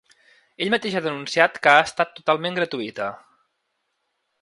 Ell mateix ha denunciat que ha estat totalment gratuïta.